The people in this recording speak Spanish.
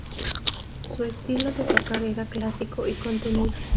Su estilo de tocar era clásico y contenido.